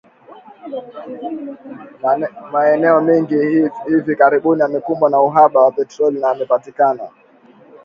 Maeneo mengi hivi karibuni yamekumbwa na uhaba wa petroli na yanapatikana